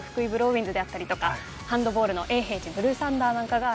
ウィンズであったりとかハンドボールの永平寺ブルーサンダーなんかがあります。